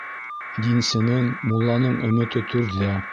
Динсенең, мулланың өмөтө түрҙә.